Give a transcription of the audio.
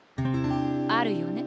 あるよね。